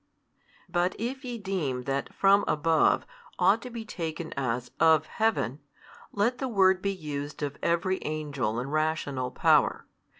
But if ye deem that from above ought to be taken as Of heaven, let the word be used of every angel and rational power.